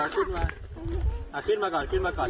ขึ้นมาขึ้นมาก่อนขึ้นมาก่อน